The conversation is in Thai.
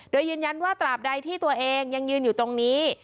โดยยืนยันว่าตราบใดที่ตัวเองยังยืนอยู่ตรงนี้